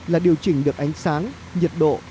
là điều chỉnh được ánh sáng nhiệt độ